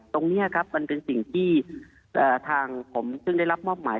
ตรงนี้ครับมันเป็นสิ่งที่ทางผมซึ่งได้รับมอบหมาย